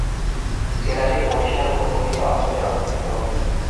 জেলাটি ওড়িশার উপকূলীয় অঞ্চলে অবস্থিত।